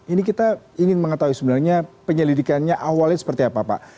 ini kita ingin mengetahui sebenarnya penyelidikannya awalnya seperti apa pak